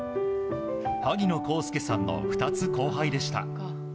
萩野公介さんの２つ後輩でした。